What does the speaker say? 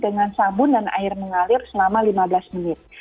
dengan sabun dan air mengalir selama lima belas menit